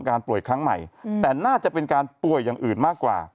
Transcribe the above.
ป่วยครั้งใหม่แต่น่าจะเป็นการป่วยอย่างอื่นมากกว่า